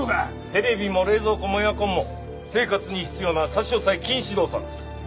テレビも冷蔵庫もエアコンも生活に必要な差押禁止動産です。